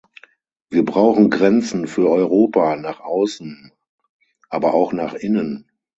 Wir brauchen Grenzen für Europa nach außen, aber auch nach innen.